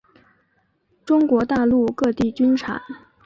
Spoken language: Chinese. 中国大陆各地均产。